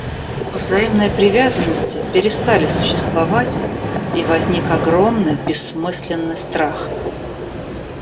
Взаимные привязанности перестали существовать, и возник огромный бессмысленный страх.